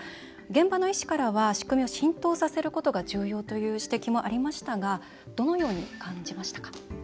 現場の医師からは仕組みを浸透させることが重要という指摘もありましたがどのように感じましたか？